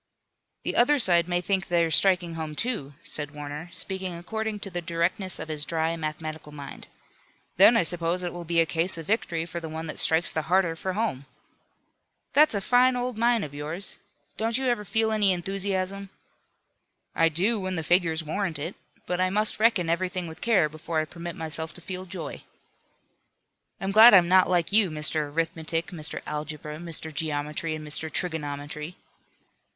"The other side may think they're striking home; too," said Warner, speaking according to the directness of his dry mathematical mind. "Then I suppose it will be a case of victory for the one that strikes the harder for home." "That's a fine old mind of yours. Don't you ever feel any enthusiasm?" "I do, when the figures warrant it. But I must reckon everything with care before I permit myself to feel joy." "I'm glad I'm not like you, Mr. Arithmetic, Mr. Algebra, Mr. Geometry and Mr. Trigonometry."